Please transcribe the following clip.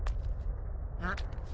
あっ？